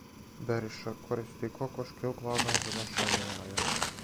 Бериша користи кокошке углавном за ношење јаја.